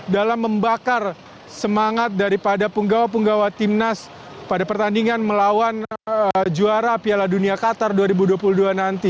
dalam membakar semangat daripada penggawa penggawa timnas pada pertandingan melawan juara piala dunia qatar dua ribu dua puluh dua nanti